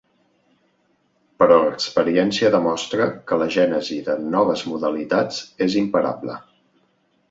Però l'experiència demostra que la gènesi de noves modalitats és imparable.